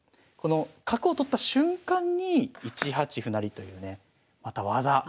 この角を取った瞬間に１八歩成というねまた技。